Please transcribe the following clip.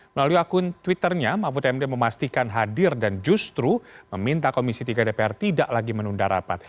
melalui akun twitternya mahfud md memastikan hadir dan justru meminta komisi tiga dpr tidak lagi menunda rapat